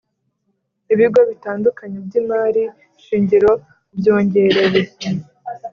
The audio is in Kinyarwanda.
Ibigo bitandukanye by’ imari shingiro byongerewe